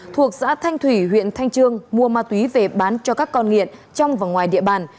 thuộc xã thanh thủy huyện thanh trương mua ma túy về bán cho các con nghiện trong và ngoài địa bàn